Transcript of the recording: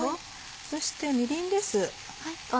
そしてみりんです。